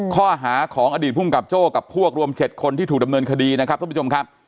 ข้อหาของอดีตภูมิกับโจ้กับพวกรวม๗คนที่ถูกดำเนินคดีนะครับท่านผู้ชมครับ